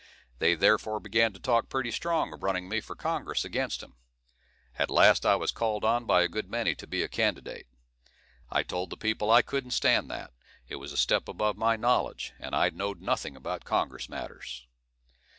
They therefore began to talk pretty strong of running me for Congress against him. At last I was called on by a good many to be a candidate. I told the people that I couldn't stand that; it was a step above my knowledge, and I know'd nothing about Congress matters.